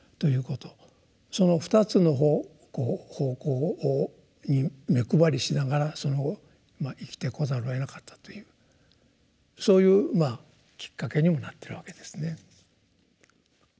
その２つの方向に目配りしながら生きてこざるをえなかったというそういうきっかけにもなってるわけですね。